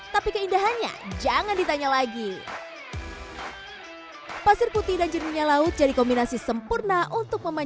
tapi keindahannya jangan ditanya lagi pasir putih dan jenuhnya laut jadi kombinasi sempurna untuk